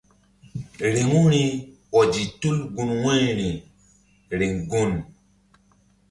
Riŋu ri ɔzi tul gun wu̧yri riŋ gun.